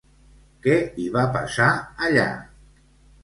Què hi va passar, allà?